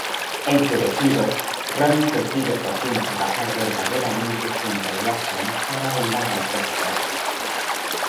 Enfurecido, Ronnie decide por fin trabajar verdaderamente junto a Jason para vengar al profesor.